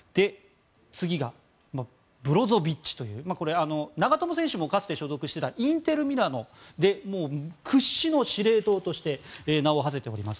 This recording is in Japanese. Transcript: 次が、ブロゾビッチという長友選手もかつて所属していたインテル・ミラノ屈指の司令塔として名をはせております。